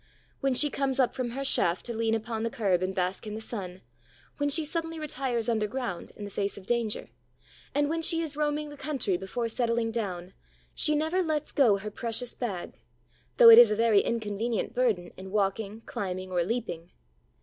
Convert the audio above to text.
When she comes up from her shaft to lean upon the curb and bask in the sun, when she suddenly retires underground in the face of danger, and when she is roaming the country before settling down, she never lets go her precious bag, though it is a very inconvenient burden in walking, climbing or leaping.